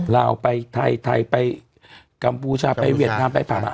ลาวไปไทยไทยไปกัมพูชาไปเวียดนามไปผ่ามา